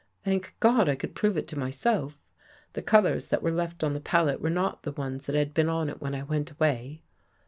Thank God I could prove it to myself ! The colors that were left on the palette were not the ones that had been on it when I went away.